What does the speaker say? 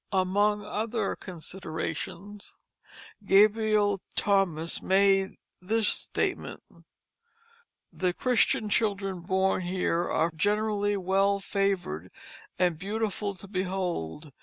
Among other considerations Gabriel Thomas made this statement: "The Christian children born here are generally well favored and beautiful to behold.